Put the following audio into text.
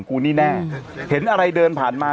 กูนี่แน่เห็นอะไรเดินผ่านมา